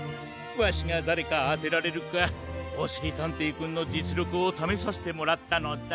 わしがだれかあてられるかおしりたんていくんのじつりょくをためさせてもらったのだ。